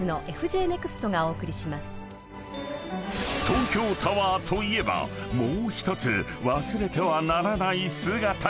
［東京タワーといえばもう１つ忘れてはならない姿が！］